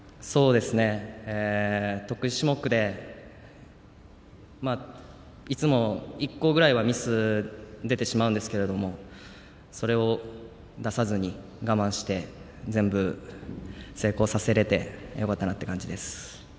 得意種目でいつも１個ぐらいはミス出てしまうんですけどそれを、出さずに我慢して全部成功させられてよかったなって感じです。